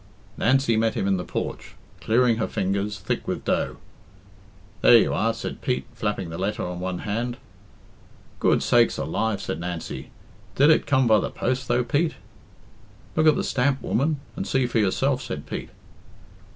Nancy met him in the porch, clearing her fingers, thick with dough. "There you are," said Pete, flapping the letter on one hand. "Good sakes alive!" said Nancy. "Did it come by the post, though, Pete?" "Look at the stamp, woman, and see for yourself," said Pete.